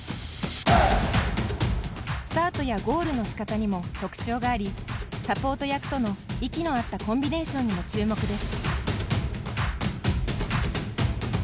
スタートやゴールのしかたにも特徴がありサポート役との息のあったコンビネーションにも注目です。